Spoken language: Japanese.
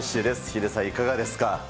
ヒデさん、いかがですか。